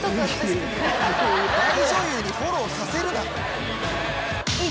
大女優にフォローさせるな。